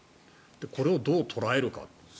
これをどう捉えるか。